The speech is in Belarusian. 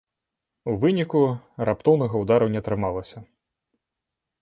У выніку раптоўнага ўдару не атрымалася.